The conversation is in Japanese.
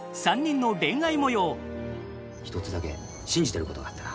一つだけ信じていることがあってな。